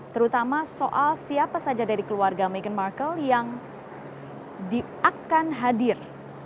terutama soal siapa saja dari keluarga meghan markle yang akan hadir